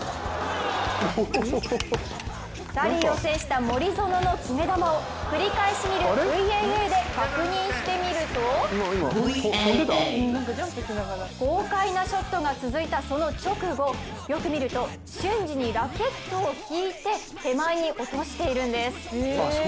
ラリーを制した森薗の決め球を繰り返し見るＶＡＡで確認してみると豪快なショットが続いたその直後、よく見ると瞬時にラケットを引いて手前に落としているんです